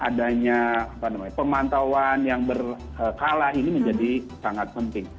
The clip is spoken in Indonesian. adanya pemantauan yang berkala ini menjadi sangat penting